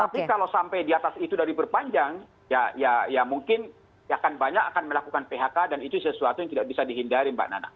tapi kalau sampai di atas itu sudah diperpanjang ya mungkin akan banyak akan melakukan phk dan itu sesuatu yang tidak bisa dihindari mbak nana